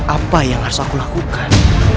apa yang harus aku lakukan